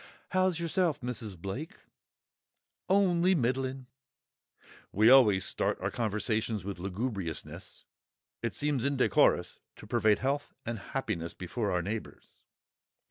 "How's yourself, Mrs. Blake?" "Only middling." (We always start our conversations with lugubriousness; it seems indecorous to parade health and happiness before our neighbours!)